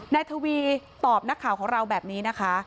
นายทวีตอบนักข่าวของเราแบบนี้นะคะ